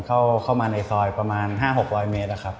เข้ามาในซอยประมาณ๕๖๐๐เมตรนะครับ